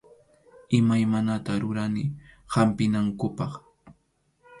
Imaymanata rurani hampinankupaq.